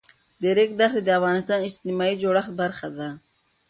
د ریګ دښتې د افغانستان د اجتماعي جوړښت برخه ده.